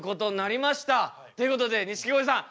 大成功！ということで錦鯉さん